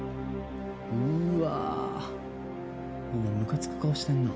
うわお前ムカつく顔してんな。